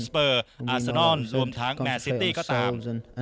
เปอร์อาซานอนรวมทั้งแมนซิตี้ก็ตาม